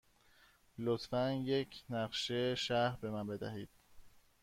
لطفاً یک نقشه شهر به من بدهید.